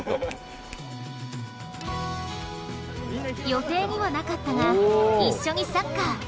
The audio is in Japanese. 予定にはなかったが一緒にサッカー。